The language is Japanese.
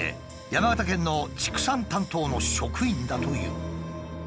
山形県の畜産担当の職員だという。